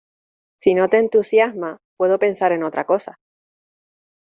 Si no te entusiasma, puedo pensar en otra cosa.